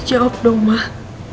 jawab dong mbak